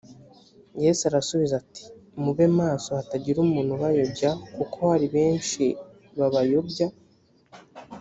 yesu arabasubiza ati “ mube maso hatagira umuntu ubayobya kuko hari benshi babayobya’’.